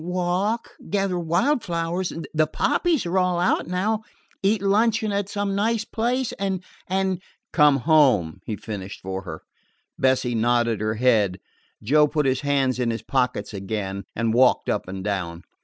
"Walk, gather wild flowers, the poppies are all out now, eat luncheon at some nice place, and and " "Come home," he finished for her. Bessie nodded her head. Joe put his hands in his pockets again, and walked up and down.